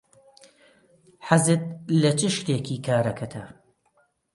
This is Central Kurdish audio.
حەزت لە چ شتێکی کارەکەتە؟